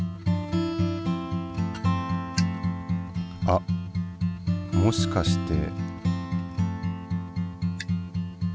あっもしかして。